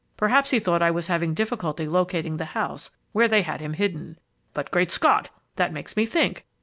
Perhaps he thought I was having difficulty locating the house where they had him hidden. But, Great Scott! that makes me think!